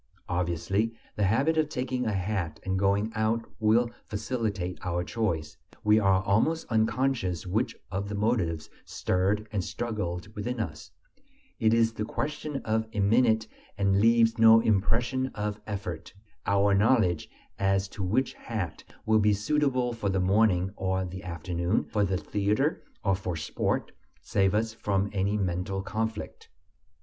Obviously, the habit of taking a hat and going out will facilitate our choice; we are almost unconscious which of the motives stirred and struggled within us. It is the question of a minute and leaves no impression of effort. Our knowledge as to which hat will be suitable for the morning or the afternoon, for the theater or for sport, saves us from any mental conflict.